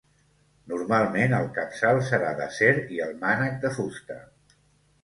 Normalment el capçal serà d'acer i el mànec de fusta.